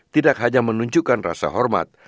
tidak hanya menunjukkan rasa hormat